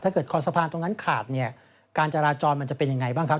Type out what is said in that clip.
คอสะพานตรงนั้นขาดเนี่ยการจราจรมันจะเป็นยังไงบ้างครับ